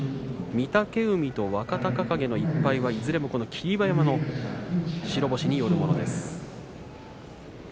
御嶽海と若隆景の１敗はいずれも霧馬山の白星によるものです。